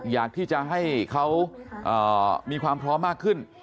อยากที่จะให้เขามีความพร้อมมากขึ้น